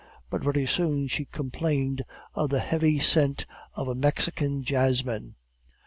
But very soon she complained of the heavy scent of a Mexican jessamine.